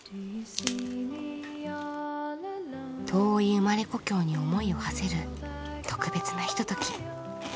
遠い生まれ故郷に思いをはせる特別なひととき。